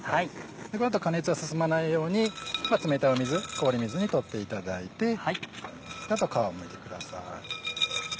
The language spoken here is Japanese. この後加熱が進まないように冷たい水氷水にとっていただいてあと皮をむいてください。